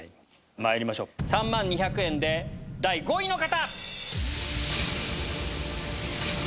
まいりましょう３万２００円で第５位の方！